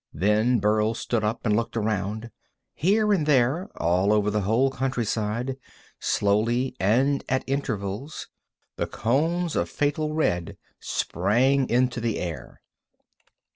Then Burl stood up and looked around. Here and there, all over the whole countryside, slowly and at intervals, the cones of fatal red sprang into the air.